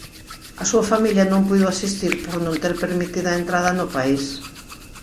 A súa familia non puido asistir por non ter permitida a entrada no país.